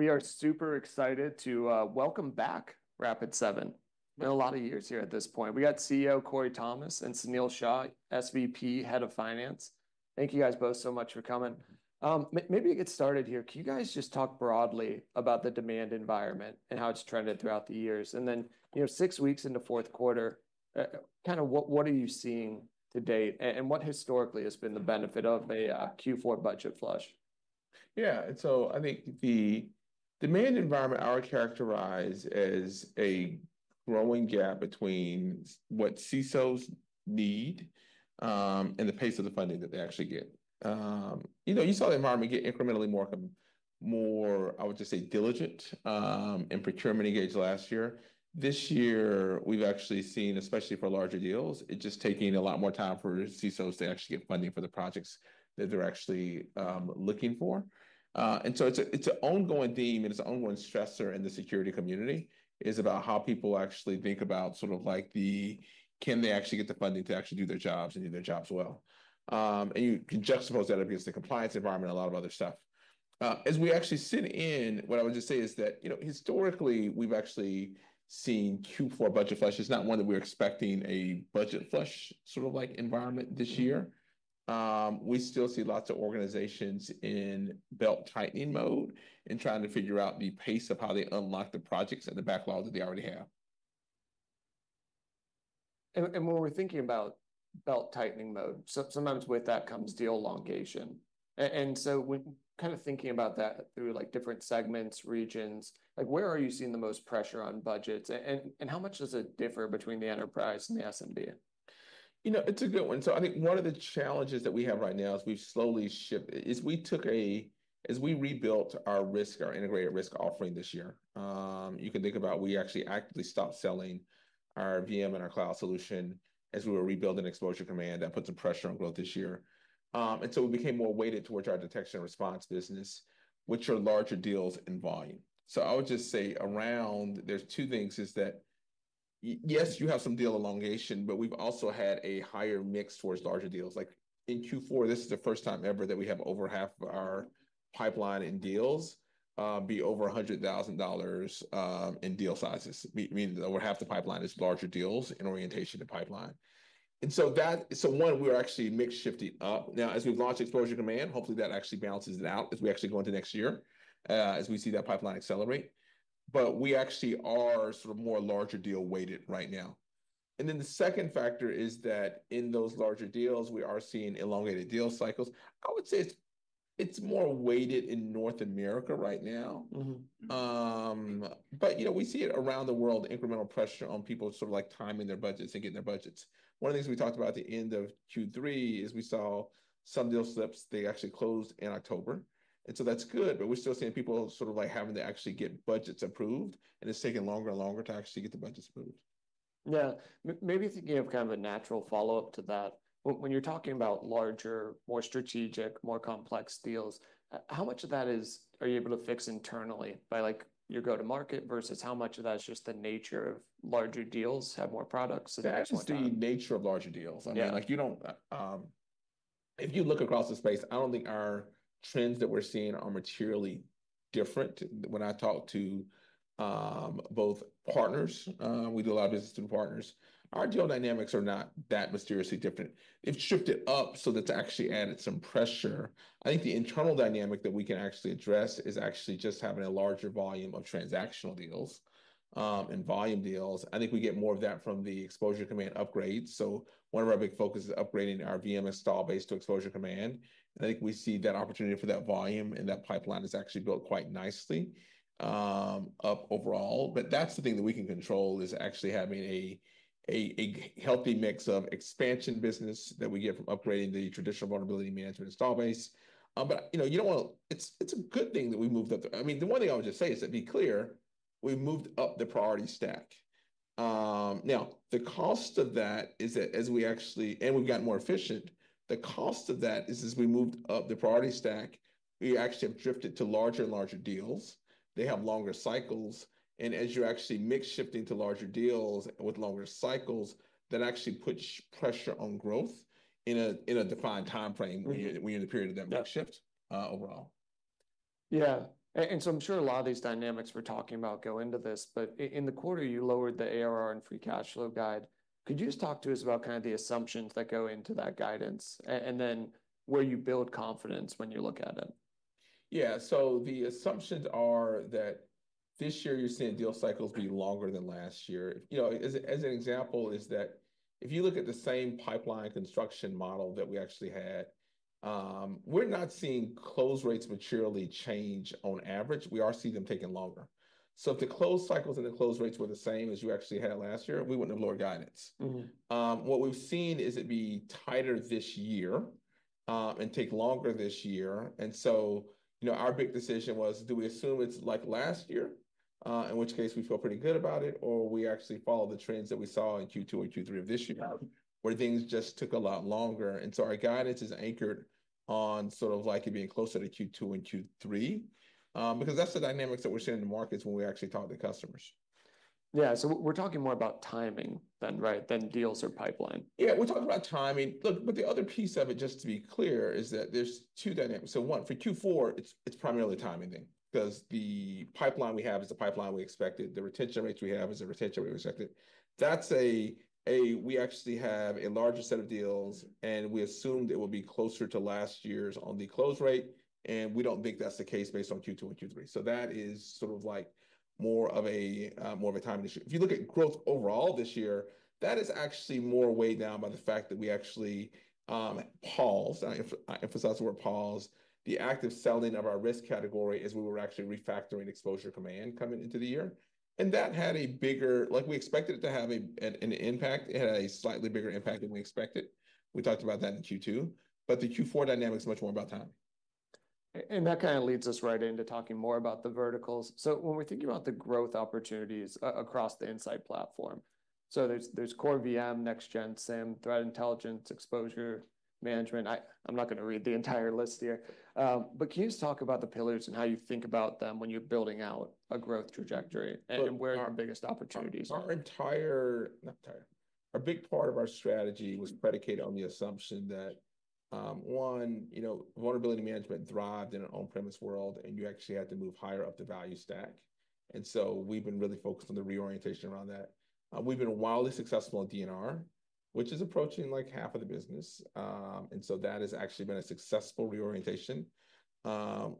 We are super excited to welcome back Rapid7. Been a lot of years here at this point. We got CEO Corey Thomas and Sunil Shah, SVP, Head of Finance. Thank you guys both so much for coming. Maybe to get started here, can you guys just talk broadly about the demand environment and how it's trended throughout the years? And then, you know, six weeks into fourth quarter, kind of what are you seeing to date? And what historically has been the benefit of a Q4 budget flush? Yeah, and so I think the demand environment I would characterize as a growing gap between what CISOs need and the pace of the funding that they actually get. You know, you saw the environment get incrementally more, I would just say, diligent in procurement engaged last year. This year, we've actually seen, especially for larger deals, it's just taking a lot more time for CISOs to actually get funding for the projects that they're actually looking for. And so it's an ongoing theme, and it's an ongoing stressor in the security community, is about how people actually think about sort of like the, can they actually get the funding to actually do their jobs and do their jobs well? And you can juxtapose that against the compliance environment and a lot of other stuff. As we actually sit in, what I would just say is that, you know, historically, we've actually seen Q4 budget flush. It's not one that we're expecting a budget flush sort of like environment this year. We still see lots of organizations in belt tightening mode and trying to figure out the pace of how they unlock the projects and the backlogs that they already have. When we're thinking about belt tightening mode, sometimes with that comes deal elongation. When kind of thinking about that through like different segments, regions, like where are you seeing the most pressure on budgets? How much does it differ between the enterprise and the SMB? You know, it's a good one. So I think one of the challenges that we have right now is we've slowly shifted, is we took a, as we rebuilt our risk, our integrated risk offering this year. You can think about we actually actively stopped selling our VM and our cloud solution as we were rebuilding Exposure Command. That put some pressure on growth this year. And so we became more weighted towards our detection and response business, which are larger deals in volume. So I would just say around, there's two things is that yes, you have some deal elongation, but we've also had a higher mix towards larger deals. Like in Q4, this is the first time ever that we have over half of our pipeline in deals be over $100,000 in deal sizes. Meaning that over half the pipeline is larger deals in orientation to pipeline. One, we're actually mixed shifting up. Now, as we've launched Exposure Command, hopefully that actually balances it out as we actually go into next year as we see that pipeline accelerate. But we actually are sort of more larger deal weighted right now. And then the second factor is that in those larger deals, we are seeing elongated deal cycles. I would say it's more weighted in North America right now. But you know, we see it around the world, incremental pressure on people sort of like timing their budgets and getting their budgets. One of the things we talked about at the end of Q3 is we saw some deal slips, they actually closed in October. And so that's good, but we're still seeing people sort of like having to actually get budgets approved. It's taken longer and longer to actually get the budgets approved. Yeah. Maybe thinking of kind of a natural follow-up to that, when you're talking about larger, more strategic, more complex deals, how much of that is, are you able to fix internally by like your go-to-market versus how much of that is just the nature of larger deals have more products? It's the nature of larger deals. I mean, like you don't, if you look across the space, I don't think our trends that we're seeing are materially different. When I talk to both partners, we do a lot of business through partners, our deal dynamics are not that mysteriously different. It shifted up so that's actually added some pressure. I think the internal dynamic that we can actually address is actually just having a larger volume of transactional deals and volume deals. I think we get more of that from the Exposure Command upgrades. So one of our big focuses is upgrading our VM installed base to Exposure Command. And I think we see that opportunity for that volume, and that pipeline is actually built quite nicely up overall. But that's the thing that we can control is actually having a healthy mix of expansion business that we get from upgrading the traditional vulnerability management install base. But you know, you don't want to, it's a good thing that we moved up there. I mean, the one thing I would just say is to be clear, we moved up the priority stack. Now, the cost of that is that as we actually, and we've gotten more efficient, the cost of that is as we moved up the priority stack, we actually have drifted to larger and larger deals. They have longer cycles. And as you're actually mix shifting to larger deals with longer cycles, that actually puts pressure on growth in a defined timeframe when you're in the period of that mix shift overall. Yeah. And so I'm sure a lot of these dynamics we're talking about go into this, but in the quarter you lowered the ARR and Free Cash Flow guide. Could you just talk to us about kind of the assumptions that go into that guidance and then where you build confidence when you look at it? Yeah. So the assumptions are that this year you're seeing deal cycles be longer than last year. You know, as an example, is that if you look at the same pipeline construction model that we actually had, we're not seeing close rates materially change on average. We are seeing them taking longer. So if the close cycles and the close rates were the same as you actually had last year, we wouldn't have lower guidance. What we've seen is it be tighter this year and take longer this year. And so, you know, our big decision was, do we assume it's like last year, in which case we feel pretty good about it, or we actually follow the trends that we saw in Q2 and Q3 of this year, where things just took a lot longer. And so our guidance is anchored on sort of like it being closer to Q2 and Q3, because that's the dynamics that we're seeing in the markets when we actually talk to customers. Yeah. So we're talking more about timing than, right, than deals or pipeline. Yeah, we're talking about timing. Look, but the other piece of it, just to be clear, is that there's two dynamics. So one, for Q4, it's primarily a timing thing, because the pipeline we have is the pipeline we expected. The retention rates we have is the retention rate we expected. That's a, we actually have a larger set of deals, and we assumed it would be closer to last year's on the close rate, and we don't think that's the case based on Q2 and Q3. So that is sort of like more of a timing issue. If you look at growth overall this year, that is actually more weighed down by the fact that we actually paused. I emphasize the word paused, the active selling of our risk category as we were actually refactoring Exposure Command coming into the year. And that had a bigger, like we expected it to have an impact. It had a slightly bigger impact than we expected. We talked about that in Q2, but the Q4 dynamic is much more about timing. And that kind of leads us right into talking more about the verticals. So when we're thinking about the growth opportunities across the Insight Platform, so there's core VM, next-gen SIEM, threat intelligence, exposure management. I'm not going to read the entire list here, but can you just talk about the pillars and how you think about them when you're building out a growth trajectory and where your biggest opportunities are? Our entire, not entire, a big part of our strategy was predicated on the assumption that, one, you know, vulnerability management thrived in an on-premise world, and you actually had to move higher up the value stack. And so we've been really focused on the reorientation around that. We've been wildly successful at DNR, which is approaching like half of the business. And so that has actually been a successful reorientation,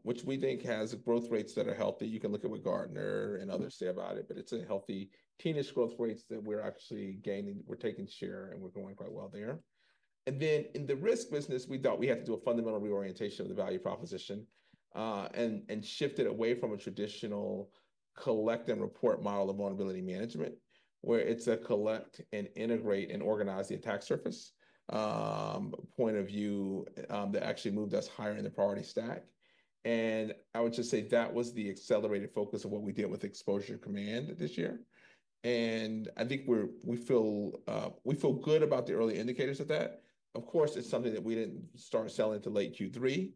which we think has growth rates that are healthy. You can look at what Gartner and others say about it, but it's a healthy teenage growth rates that we're actually gaining, we're taking share, and we're going quite well there. And then in the risk business, we thought we had to do a fundamental reorientation of the value proposition and shift it away from a traditional collect and report model of vulnerability management, where it's a collect and integrate and organize the attack surface point of view that actually moved us higher in the priority stack. And I would just say that was the accelerated focus of what we did with Exposure Command this year. And I think we feel good about the early indicators of that. Of course, it's something that we didn't start selling to late Q3.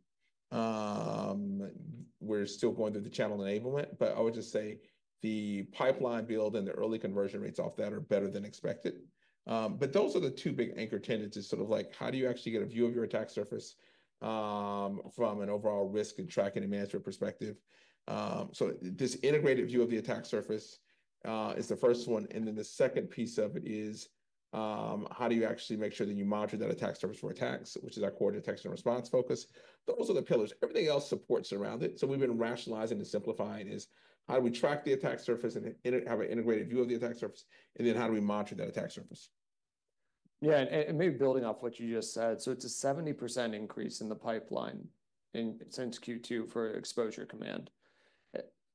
We're still going through the channel enablement, but I would just say the pipeline build and the early conversion rates off that are better than expected. But those are the two big anchor tendencies sort of like, how do you actually get a view of your attack surface from an overall risk and tracking and management perspective? So this integrated view of the attack surface is the first one. And then the second piece of it is, how do you actually make sure that you monitor that attack surface for attacks, which is our core detection and response focus? Those are the pillars. Everything else supports around it. So we've been rationalizing and simplifying is how do we track the attack surface and have an integrated view of the attack surface? And then how do we monitor that attack surface? Yeah. And maybe building off what you just said, so it's a 70% increase in the pipeline since Q2 for Exposure Command.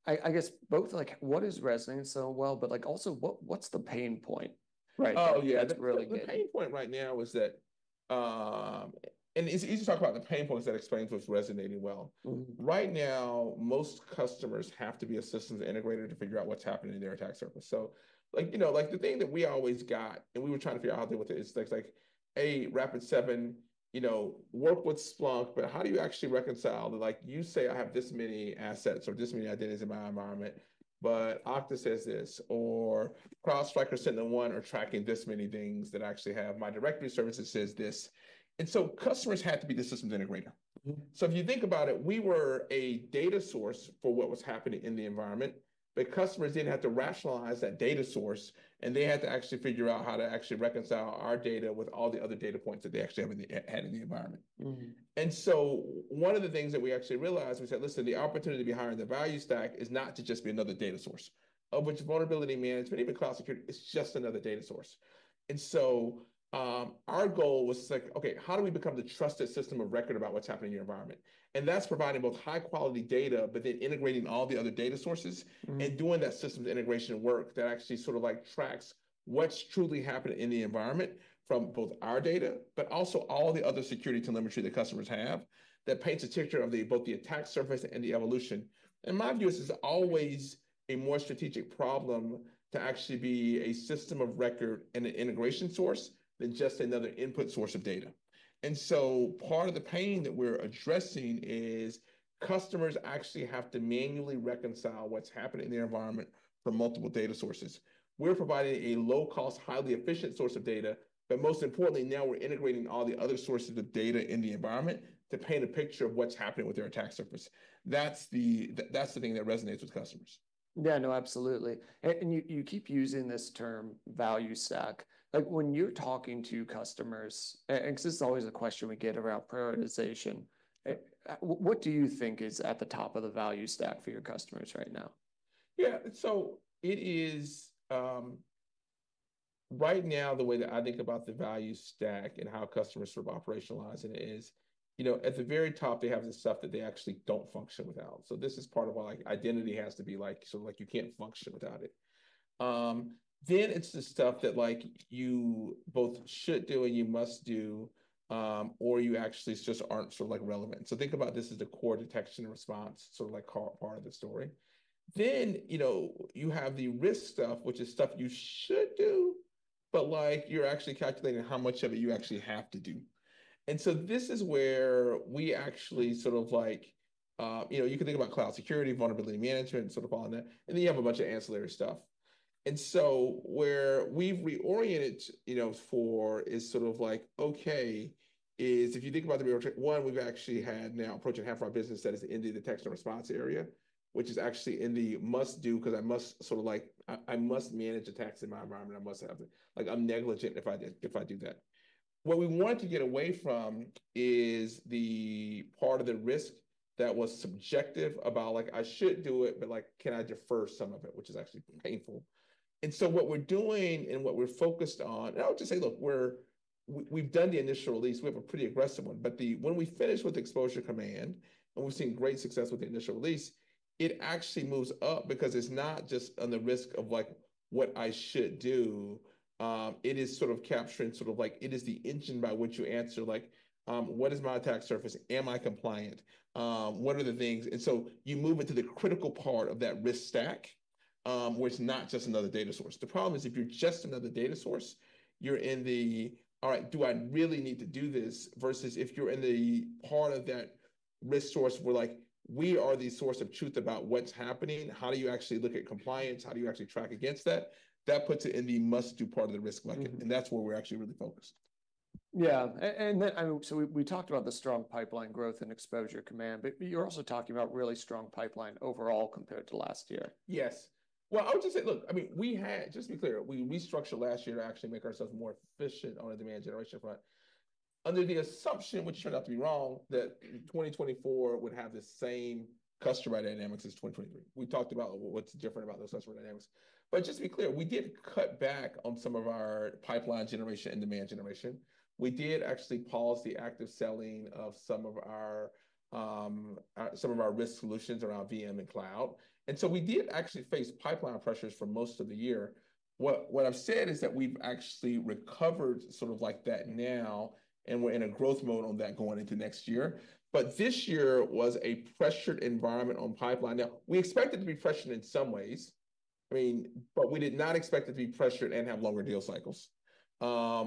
I guess both like, what is resonating so well, but like also what's the pain point? Right. Oh, yeah. The pain point right now is that, and it's easy to talk about the pain points that explains what's resonating well. Right now, most customers have to be a systems integrator to figure out what's happening in their attack surface. So like, you know, like the thing that we always got, and we were trying to figure out how to deal with it, it's like at Rapid7, you know, work with Splunk, but how do you actually reconcile that like you say, I have this many assets or this many identities in my environment, but Okta says this, or CrowdStrike are sending one or tracking this many things that actually have my directory services says this. And so customers had to be the systems integrator. So if you think about it, we were a data source for what was happening in the environment, but customers didn't have to rationalize that data source, and they had to actually figure out how to actually reconcile our data with all the other data points that they actually have in the environment. And so one of the things that we actually realized, we said, "Listen, the opportunity to be higher in the value stack is not to just be another data source of which vulnerability management, even cloud security, is just another data source." And so our goal was like, "Okay, how do we become the trusted system of record about what's happening in your environment? That's providing both high quality data, but then integrating all the other data sources and doing that systems integration work that actually sort of like tracks what's truly happening in the environment from both our data, but also all the other security telemetry that customers have that paints a picture of both the attack surface and the evolution. In my view, this is always a more strategic problem to actually be a system of record and an integration source than just another input source of data. So part of the pain that we're addressing is customers actually have to manually reconcile what's happening in their environment from multiple data sources. We're providing a low cost, highly efficient source of data, but most importantly now we're integrating all the other sources of data in the environment to paint a picture of what's happening with their attack surface. That's the thing that resonates with customers. Yeah, no, absolutely. And you keep using this term value stack. Like when you're talking to customers, and this is always a question we get around prioritization, what do you think is at the top of the value stack for your customers right now? Yeah. So it is right now the way that I think about the value stack and how customers sort of operationalize it is, you know, at the very top, they have the stuff that they actually don't function without. So this is part of why identity has to be like, so like you can't function without it. Then it's the stuff that like you both should do and you must do, or you actually just aren't sort of like relevant. So think about this as the core detection and response, sort of like part of the story. Then, you know, you have the risk stuff, which is stuff you should do, but like you're actually calculating how much of it you actually have to do. And so this is where we actually sort of like, you know, you can think about cloud security, vulnerability management, sort of all that. And then you have a bunch of ancillary stuff. And so where we've reoriented, you know, for is sort of like, okay, is if you think about the reorientation, one, we've actually had now approaching half of our business that is in the detection and response area, which is actually in the must do, because I must sort of like, I must manage attacks in my environment. I must have it. Like I'm negligent if I do that. What we wanted to get away from is the part of the risk that was subjective about like, I should do it, but like, can I defer some of it, which is actually painful. And so what we're doing and what we're focused on, and I'll just say, look, we've done the initial release. We have a pretty aggressive one, but when we finish with Exposure Command, and we've seen great success with the initial release, it actually moves up because it's not just on the risk of like what I should do. It is sort of capturing sort of like, it is the engine by which you answer like, what is my attack surface? Am I compliant? What are the things? And so you move into the critical part of that risk stack, which is not just another data source. The problem is if you're just another data source, you're in the, all right, do I really need to do this? Versus if you're in the part of that risk source where like, we are the source of truth about what's happening, how do you actually look at compliance? How do you actually track against that? That puts it in the must do part of the risk bucket, and that's where we're actually really focused. Yeah. And then, I mean, so we talked about the strong pipeline growth and Exposure Command, but you're also talking about really strong pipeline overall compared to last year. Yes. Well, I would just say, look, I mean, we had, just to be clear, we restructured last year to actually make ourselves more efficient on a demand generation front under the assumption, which turned out to be wrong, that 2024 would have the same customer dynamics as 2023. We talked about what's different about those customer dynamics. But just to be clear, we did cut back on some of our pipeline generation and demand generation. We did actually pause the active selling of some of our risk solutions around VM and cloud. And so we did actually face pipeline pressures for most of the year. What I've said is that we've actually recovered sort of like that now, and we're in a growth mode on that going into next year. But this year was a pressured environment on pipeline. Now, we expected it to be pressured in some ways. I mean, but we did not expect it to be pressured and have longer deal cycles,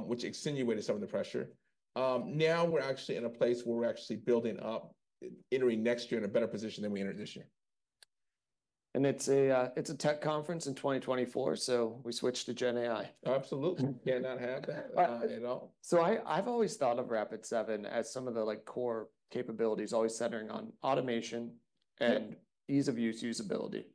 which exacerbated some of the pressure. Now we're actually in a place where we're actually building up, entering next year in a better position than we entered this year. It's a tech conference in 2024, so we switched to GenAI. Absolutely. We cannot have that at all. I've always thought of Rapid7 as some of the core capabilities, always centering on automation and ease of use, usability.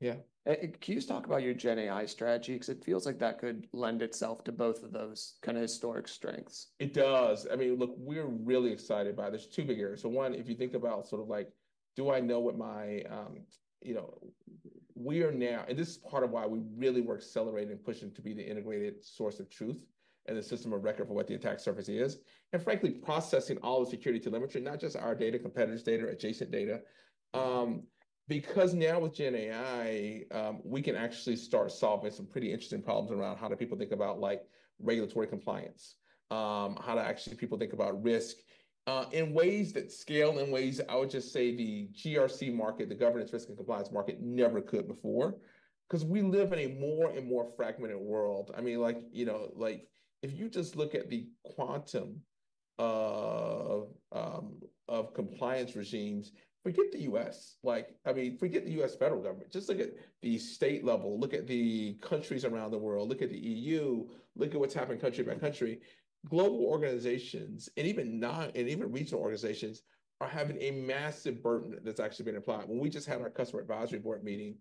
Yeah. Can you just talk about your GenAI strategy? Because it feels like that could lend itself to both of those kind of historic strengths. It does. I mean, look, we're really excited by it. There's two big areas. So one, if you think about sort of like, do I know what my, you know, we are now, and this is part of why we really were accelerating and pushing to be the integrated source of truth and the system of record for what the attack surface is. And frankly, processing all the security telemetry, not just our data, competitors' data, adjacent data. Because now with GenAI, we can actually start solving some pretty interesting problems around how do people think about like regulatory compliance, how do actually people think about risk in ways that scale in ways that I would just say the GRC market, the governance risk and compliance market never could before. Because we live in a more and more fragmented world. I mean, like, you know, like if you just look at the quantum of compliance regimes, forget the U.S. Like, I mean, forget the U.S. federal government. Just look at the state level, look at the countries around the world, look at the E.U., look at what's happening country by country. Global organizations and even non- and even regional organizations are having a massive burden that's actually being applied. When we just had our customer advisory board meeting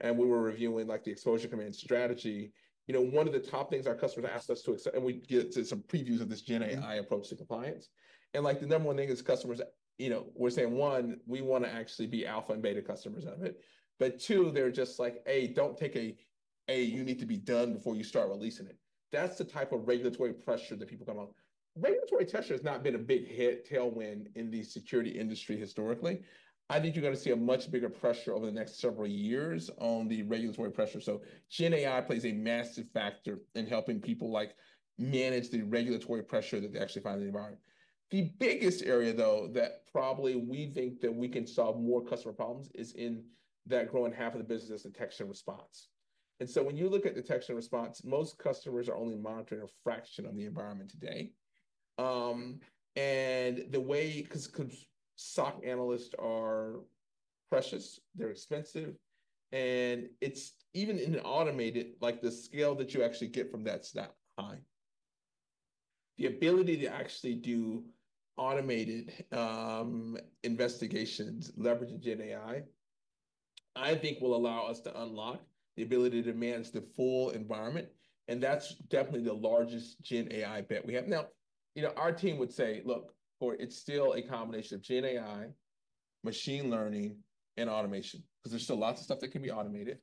and we were reviewing like the Exposure Command strategy, you know, one of the top things our customers asked us to accept, and we get to some previews of this GenAI approach to compliance, and like the number one thing is customers, you know, we're saying one, we want to actually be alpha and beta customers of it. But two, they're just like, hey, you need to be done before you start releasing it. That's the type of regulatory pressure that people come up. Regulatory pressure has not been a big tailwind in the security industry historically. I think you're going to see a much bigger pressure over the next several years on the regulatory pressure. So GenAI plays a massive factor in helping people like manage the regulatory pressure that they actually find in the environment. The biggest area though, that probably we think that we can solve more customer problems is in that growing half of the business is detection and response. And so when you look at detection and response, most customers are only monitoring a fraction of the environment today. And the way, because SOC analysts are precious, they're expensive. And it's even in an automated, like the scale that you actually get from that's not high. The ability to actually do automated investigations leveraging GenAI, I think will allow us to unlock the ability to manage the full environment. And that's definitely the largest GenAI bet we have. Now, you know, our team would say, look, it's still a combination of GenAI, machine learning, and automation. Because there's still lots of stuff that can be automated.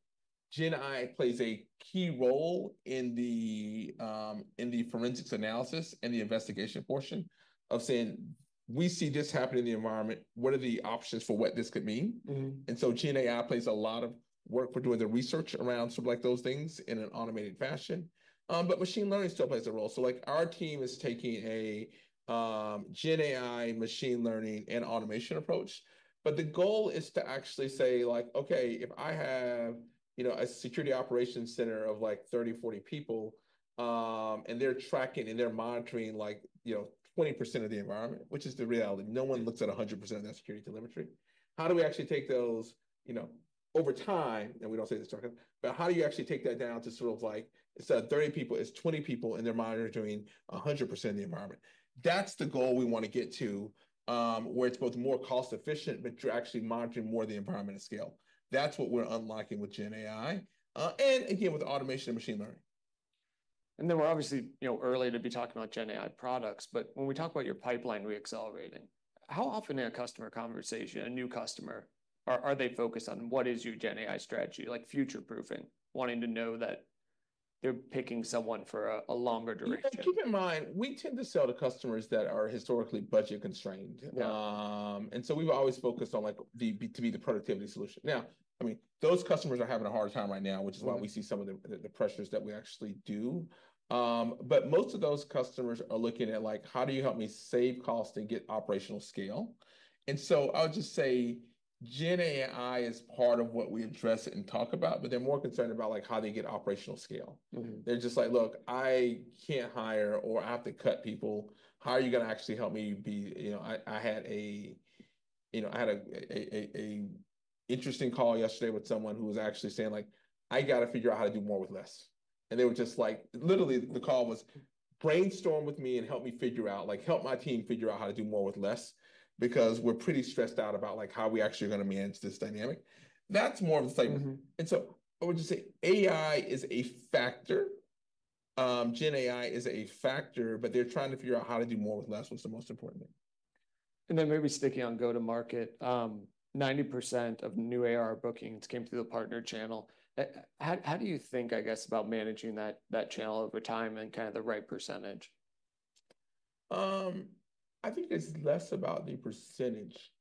GenAI plays a key role in the forensic analysis and the investigation portion of saying, we see this happening in the environment. What are the options for what this could mean? And so GenAI plays a lot of work for doing the research around sort of like those things in an automated fashion. But machine learning still plays a role. So like our team is taking a GenAI machine learning and automation approach. But the goal is to actually say like, okay, if I have, you know, a security operations center of like 30, 40 people, and they're tracking and they're monitoring like, you know, 20% of the environment, which is the reality. No one looks at 100% of that security telemetry. How do we actually take those, you know, over time, and we don't say this talking, but how do you actually take that down to sort of like, instead of 30 people, it's 20 people, and they're monitoring 100% of the environment? That's the goal we want to get to, where it's both more cost efficient, but you're actually monitoring more of the environment at scale. That's what we're unlocking with GenAI, and again, with automation and machine learning. And then we're obviously, you know, early to be talking about GenAI products, but when we talk about your pipeline reaccelerating, how often in a customer conversation, a new customer, are they focused on what is your GenAI strategy, like future proofing, wanting to know that they're picking someone for a longer duration? Keep in mind, we tend to sell to customers that are historically budget constrained, and so we've always focused on like to be the productivity solution. Now, I mean, those customers are having a hard time right now, which is why we see some of the pressures that we actually do, but most of those customers are looking at like, how do you help me save cost and get operational scale? And so I would just say GenAI is part of what we address and talk about, but they're more concerned about like how they get operational scale. They're just like, look, I can't hire or I have to cut people. How are you going to actually help me be? You know, I had a, you know, I had an interesting call yesterday with someone who was actually saying, like, I got to figure out how to do more with less, and they were just like, literally the call was brainstorm with me and help me figure out, like, help my team figure out how to do more with less because we're pretty stressed out about, like, how we actually are going to manage this dynamic. That's more of the cycle, and so I would just say AI is a factor. GenAI is a factor, but they're trying to figure out how to do more with less, which is the most important thing. And then maybe sticking on go-to-market, 90% of new ARR bookings came through the partner channel. How do you think, I guess, about managing that channel over time and kind of the right percentage? I think it's less about the percentage.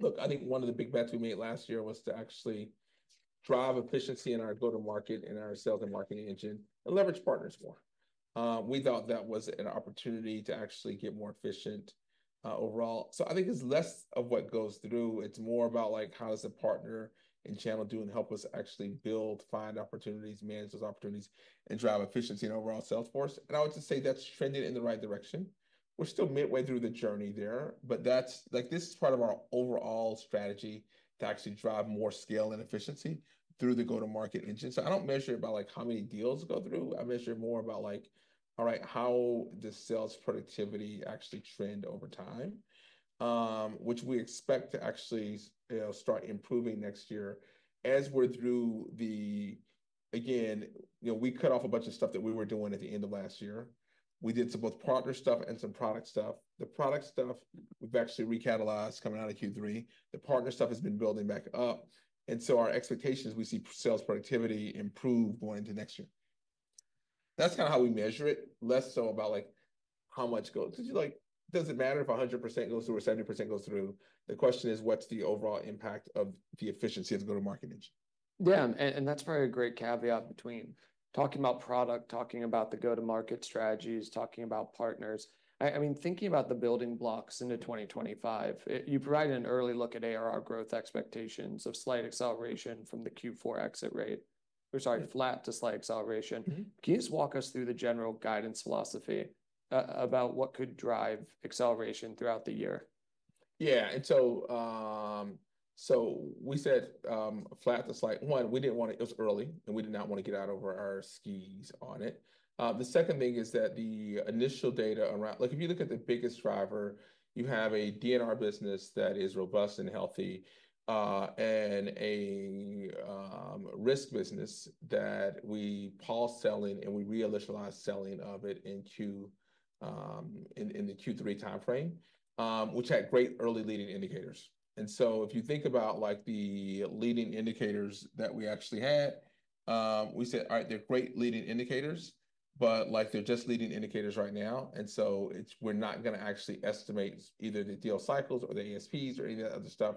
Look, I think one of the big bets we made last year was to actually drive efficiency in our go-to-market and our sales and marketing engine and leverage partners more. We thought that was an opportunity to actually get more efficient overall. So I think it's less of what goes through. It's more about like how does a partner and channel do and help us actually build, find opportunities, manage those opportunities, and drive efficiency and overall sales force. I would just say that's trending in the right direction. We're still midway through the journey there, but that's like this is part of our overall strategy to actually drive more scale and efficiency through the go-to-market engine. I don't measure it by like how many deals go through. I measure it more about like, all right, how does sales productivity actually trend over time, which we expect to actually start improving next year as we're through the, again, you know, we cut off a bunch of stuff that we were doing at the end of last year. We did some both partner stuff and some product stuff. The product stuff, we've actually recatalyzed coming out of Q3. The partner stuff has been building back up. And so our expectation is we see sales productivity improve going into next year. That's kind of how we measure it, less so about like how much goes, because you're like, does it matter if 100% goes through or 70% goes through? The question is, what's the overall impact of the efficiency of the go-to-market engine? Yeah. And that's probably a great caveat between talking about product, talking about the go-to-market strategies, talking about partners. I mean, thinking about the building blocks into 2025, you provided an early look at ARR growth expectations of slight acceleration from the Q4 exit rate. We're sorry, flat to slight acceleration. Can you just walk us through the general guidance philosophy about what could drive acceleration throughout the year? Yeah. And so we said flat to slight. One, we didn't want it, it was early and we did not want to get out over our skis on it. The second thing is that the initial data around, like if you look at the biggest driver, you have a DNR business that is robust and healthy and a risk business that we paused selling and we re-initialized selling of it in Q3 timeframe, which had great early leading indicators. And so if you think about like the leading indicators that we actually had, we said, all right, they're great leading indicators, but like they're just leading indicators right now. And so we're not going to actually estimate either the deal cycles or the ASPs or any of that other stuff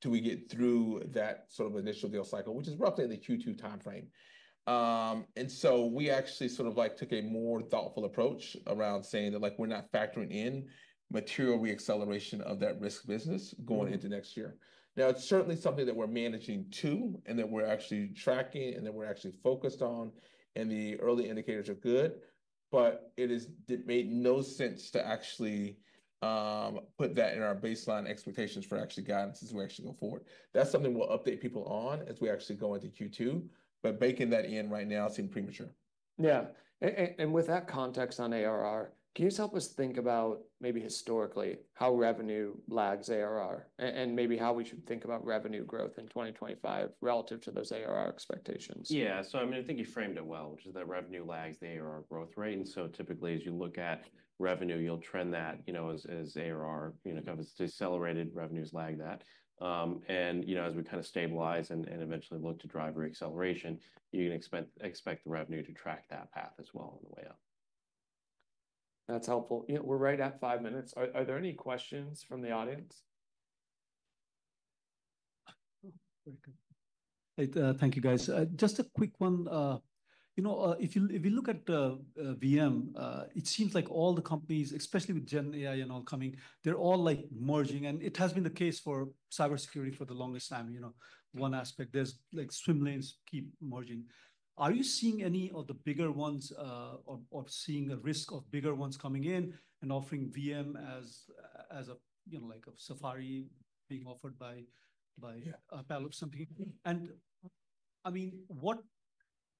till we get through that sort of initial deal cycle, which is roughly the Q2 timeframe. And so we actually sort of like took a more thoughtful approach around saying that like we're not factoring in material re-acceleration of that risk business going into next year. Now, it's certainly something that we're managing too and that we're actually tracking and that we're actually focused on and the early indicators are good, but it made no sense to actually put that in our baseline expectations for actually guidance as we actually go forward. That's something we'll update people on as we actually go into Q2, but baking that in right now seemed premature. Yeah. And with that context on ARR, can you just help us think about maybe historically how revenue lags ARR and maybe how we should think about revenue growth in 2025 relative to those ARR expectations? Yeah. So I mean, I think you framed it well, which is that revenue lags the ARR growth rate. And so typically as you look at revenue, you'll trend that, you know, as ARR, you know, kind of as decelerated revenues lag that. And, you know, as we kind of stabilize and eventually look to drive re-acceleration, you can expect the revenue to track that path as well on the way up. That's helpful. Yeah, we're right at five minutes. Are there any questions from the audience? Thank you, guys. Just a quick one. You know, if you look at VM, it seems like all the companies, especially with GenAI and all coming, they're all like merging, and it has been the case for cybersecurity for the longest time, you know, one aspect. There's like swim lanes keep merging. Are you seeing any of the bigger ones or seeing a risk of bigger ones coming in and offering VM as a, you know, like a SaaS being offered by Palo Alto or something? And I mean, what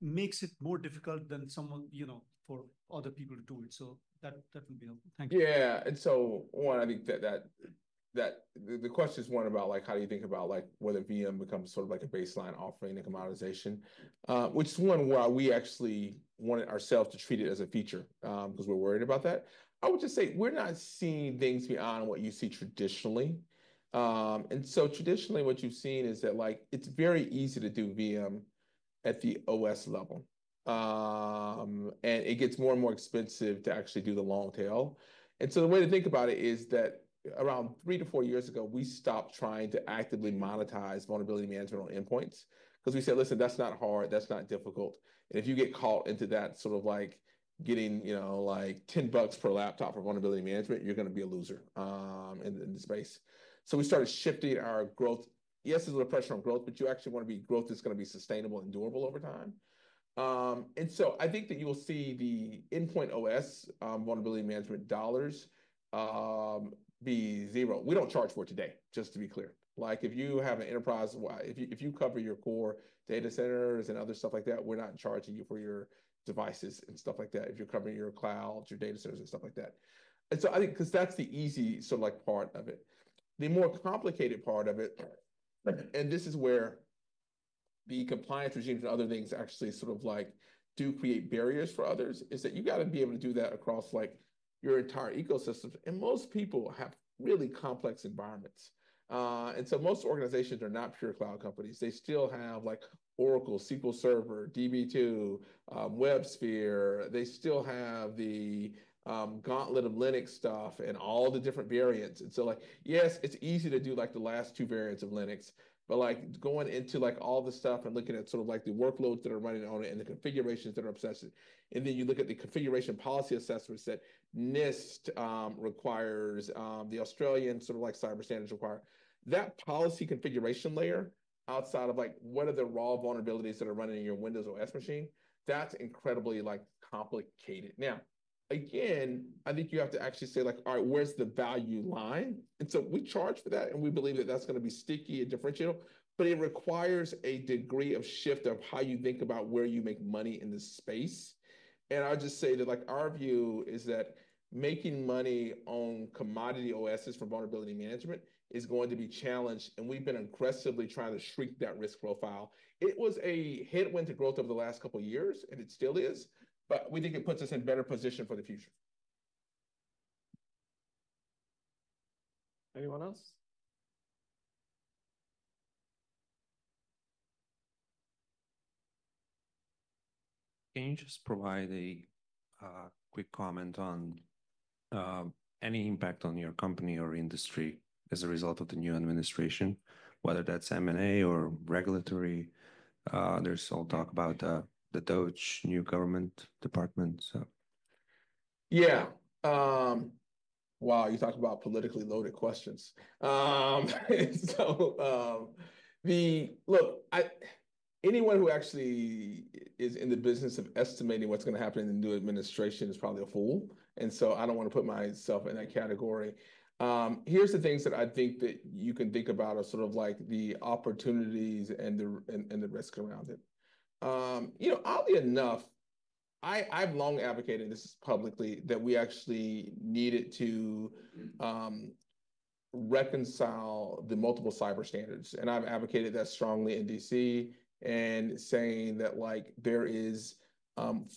makes it more difficult than someone, you know, for other people to do it? So that would be helpful. Thank you. Yeah. And so one, I think that the question is one about like how do you think about like whether VM becomes sort of like a baseline offering and commoditization, which is one where we actually wanted ourselves to treat it as a feature because we're worried about that. I would just say we're not seeing things beyond what you see traditionally. And so traditionally, what you've seen is that like it's very easy to do VM at the OS level. And it gets more and more expensive to actually do the long tail. And so the way to think about it is that around three to four years ago, we stopped trying to actively monetize vulnerability management on endpoints because we said, listen, that's not hard, that's not difficult. And if you get caught into that sort of like getting, you know, like $10 per laptop for vulnerability management, you're going to be a loser in the space. So we started shifting our growth. Yes, there's a little pressure on growth, but you actually want to be growth that's going to be sustainable and durable over time. And so I think that you will see the endpoint OS vulnerability management dollars be $0. We don't charge for it today, just to be clear. Like if you have an enterprise, if you cover your core data centers and other stuff like that, we're not charging you for your devices and stuff like that. If you're covering your cloud, your data centers and stuff like that. And so I think because that's the easy sort of like part of it. The more complicated part of it, and this is where the compliance regimes and other things actually sort of like do create barriers for others, is that you got to be able to do that across like your entire ecosystem. And most people have really complex environments. And so most organizations are not pure cloud companies. They still have like Oracle, SQL Server, DB2, WebSphere. They still have the gauntlet of Linux stuff and all the different variants. And so like, yes, it's easy to do like the last two variants of Linux, but like going into like all the stuff and looking at sort of like the workloads that are running on it and the configurations that are obsessive. And then you look at the configuration policy assessments that NIST requires, the Australian sort of like cyber standards require. That policy configuration layer outside of like what are the raw vulnerabilities that are running in your Windows OS machine, that's incredibly like complicated. Now, again, I think you have to actually say like, all right, where's the value line? And so we charge for that and we believe that that's going to be sticky and differential, but it requires a degree of shift of how you think about where you make money in this space, and I'll just say that like our view is that making money on commodity OSes for vulnerability management is going to be challenged, and we've been aggressively trying to shrink that risk profile. It was a headwind to growth over the last couple of years and it still is, but we think it puts us in better position for the future. Anyone else? Can you just provide a quick comment on any impact on your company or industry as a result of the new administration, whether that's M&A or regulatory? There's all talk about the DOGE new government department. Yeah. Wow, you talked about politically loaded questions. So, look, anyone who actually is in the business of estimating what's going to happen in the new administration is probably a fool. And so I don't want to put myself in that category. Here's the things that I think that you can think about are sort of like the opportunities and the risk around it. You know, oddly enough, I've long advocated this publicly that we actually needed to reconcile the multiple cyber standards. And I've advocated that strongly in D.C. and saying that like there is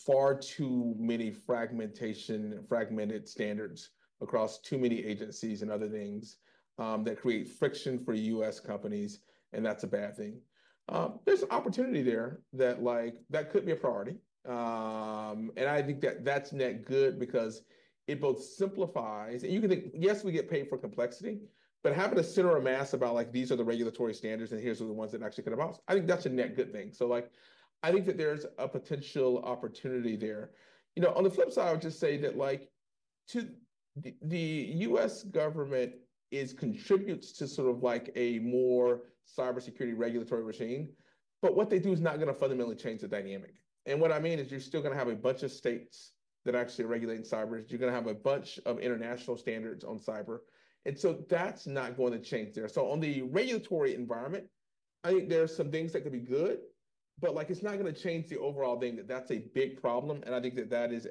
far too many fragmentation and fragmented standards across too many agencies and other things that create friction for U.S. companies. And that's a bad thing. There's an opportunity there that like that could be a priority. I think that that's net good because it both simplifies, and you can think, yes, we get paid for complexity, but having to sit around and ask about like these are the regulatory standards and here's the ones that actually could have options, I think that's a net good thing. Like I think that there's a potential opportunity there. You know, on the flip side, I would just say that like the U.S. government contributes to sort of like a more cybersecurity regulatory regime, but what they do is not going to fundamentally change the dynamic. What I mean is you're still going to have a bunch of states that actually are regulating cyber. You're going to have a bunch of international standards on cyber. That's not going to change there. So on the regulatory environment, I think there are some things that could be good, but like it's not going to change the overall thing that that's a big problem and I think that that is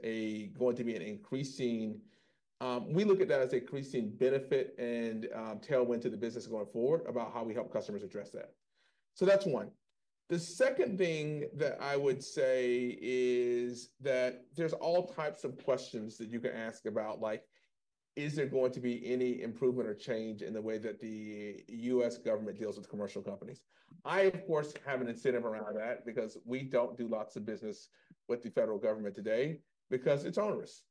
going to be an increasing, we look at that as increasing benefit and tailwind to the business going forward about how we help customers address that, so that's one. The second thing that I would say is that there's all types of questions that you can ask about like, is there going to be any improvement or change in the way that the U.S. government deals with commercial companies? I, of course, have an incentive around that because we don't do lots of business with the federal government today because it's onerous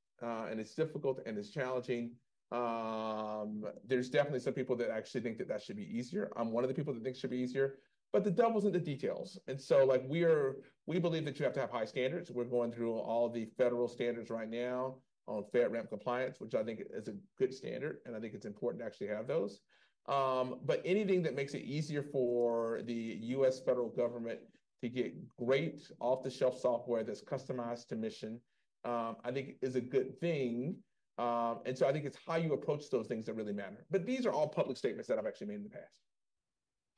and it's difficult and it's challenging. There's definitely some people that actually think that that should be easier. I'm one of the people that thinks it should be easier, but the devil's in the details, and so like we believe that you have to have high standards. We're going through all the federal standards right now on FedRAMP compliance, which I think is a good standard, and I think it's important to actually have those. But anything that makes it easier for the U.S. federal government to get great off-the-shelf software that's customized to mission, I think is a good thing, and so I think it's how you approach those things that really matter, but these are all public statements that I've actually made in the past.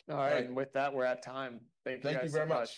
All right. And with that, we're at time. Thank you guys so much. Thank you very much.